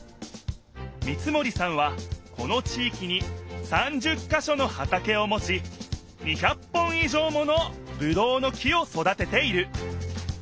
三森さんはこの地いきに３０かしょの畑をもち２００本い上ものぶどうの木を育てている。